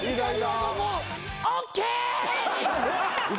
ＯＫ！